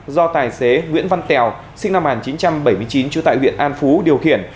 do tài xế nguyễn văn tèo sinh năm một nghìn chín trăm bảy mươi chín trú tại huyện an phú điều khiển